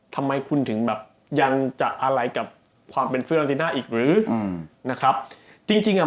ทำไมคุณถึงแบบยังจะอะไรกับความเป็นอืมนะครับจริงจริงอ่ะ